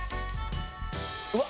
うわっ！